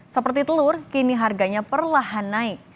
seperti telur kini harganya perlahan naik